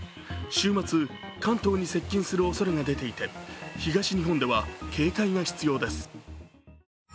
週末、関東に接近するおそれが出ていて、東日本では警戒が必要です。